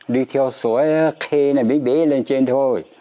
đi theo suối khê này bí bí lên trên thôi